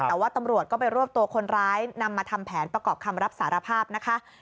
แต่ว่าตำรวจก็ไปรวบตัวคนร้ายนำมาทำแผนประกอบคำรับสารภาพนะคะ